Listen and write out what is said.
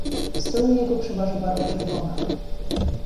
"W stroju jego przeważa barwa czerwona."